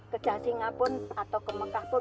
ke casingapun atau ke mekahpun